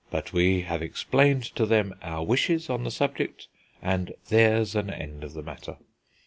But we have explained to them our wishes on the subject, and there's an end of the matter."